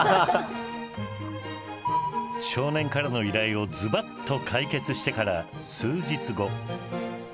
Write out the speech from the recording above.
少年からの依頼をズバッと解決してから数日後。